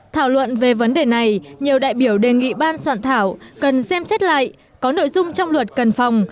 thảo luận về vấn đề này nhiều đại biểu đề nghị ban soạn thảo cần xem xét lại có nội dung trong luật cần phòng